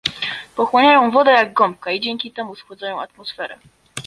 Pochłaniają wodę jak gąbka i dzięki temu schładzają atmosferę